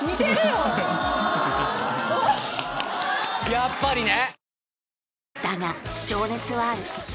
やっぱりね！